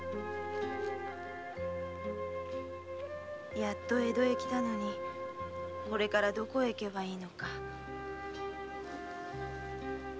やっと江戸へ来たのにこれからどこへ行けばいいのか。